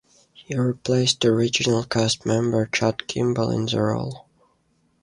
He replaced original cast member Chad Kimball in the role.